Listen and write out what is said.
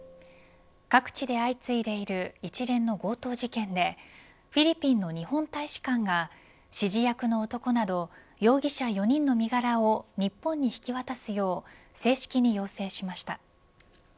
各地で相次いでいる一連の強盗事件でフィリピンの日本大使館が指示役の男など容疑者４人の身柄を日本に引き渡すよう正式に要請しました。